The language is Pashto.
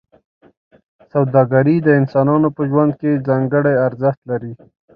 سوداګري د انسانانو په ژوند کې ځانګړی ارزښت لري.